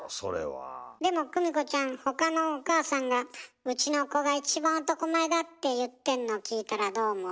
でも久美子ちゃん他のお母さんが「うちの子が一番男前だ」って言ってんの聞いたらどう思う？